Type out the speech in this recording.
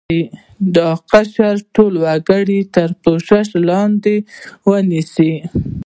د دې قشر ټول وګړي تر پوښښ لاندې ونیسي.